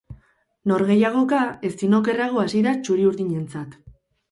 Norgehiagoka ezin okerrago hasi da txuri-urdinentzat.